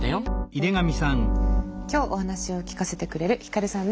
今日お話を聞かせてくれるひかるさんです。